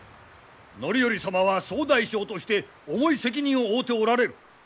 範頼様は総大将として重い責任を負うておられる。